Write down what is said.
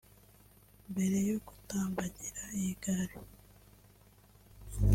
Mbere yo gutambagira iyi Gare